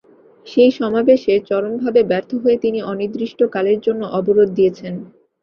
সেই সমাবেশে চরমভাবে ব্যর্থ হয়ে তিনি অনির্দিষ্ট কালের জন্য অবরোধ দিয়েছেন।